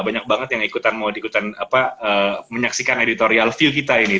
banyak banget yang ikutan mau ikutan menyaksikan editorial view kita ini